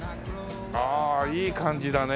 ああいい感じだね。